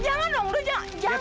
eh jangan dong do jangan